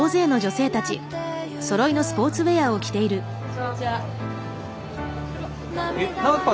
こんにちは。